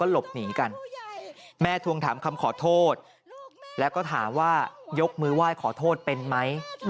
หาว่ายกมือไหว้ขอโทษเป็นไหม